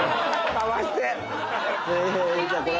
買わして。